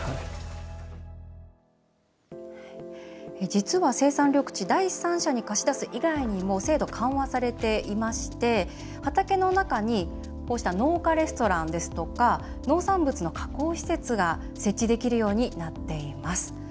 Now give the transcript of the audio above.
実は生産緑地第三者に貸し出す以外にも制度、緩和されていまして畑の中にこうした農家レストランですとか農産物の加工施設が設置できるようになっています。